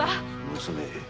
娘